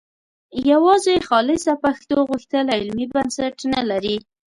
یوازې خالصه پښتو غوښتل علمي بنسټ نه لري